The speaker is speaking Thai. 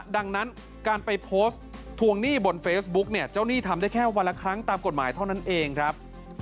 ดังนั้นการไปโพสต์ทวงหนี้บนเฟซบุ๊กเนี่ยเจ้าหนี้ทำได้แค่วันละครั้งตามกฎหมายเท่านั้นเองครับ